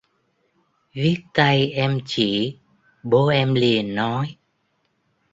Viết tay em chỉ bố em liền nói